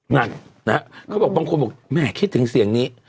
นั่นนะฮะเขาบอกบางคนบอกแม่คิดถึงเสียงนี้